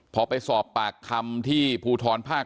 พอไปสอบปากคำที่ภูทรภาค๗